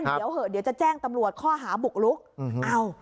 เดี๋ยวเหอะเดี๋ยวจะแจ้งตำรวจข้อหาบุกลุกเอ้า